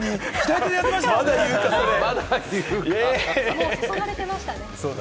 もう注がれてましたね。